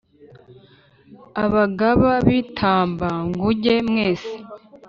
abagaba b'i tamba-nguge mwese,